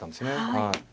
はい。